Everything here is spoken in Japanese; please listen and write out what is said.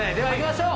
お願いします。